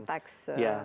jadi semacam tax